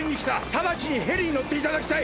ただちにヘリに乗っていただきたい。